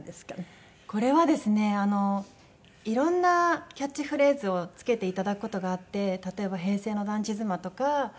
これはですねいろんなキャッチフレーズを付けていただく事があって例えば「平成の団地妻」とか。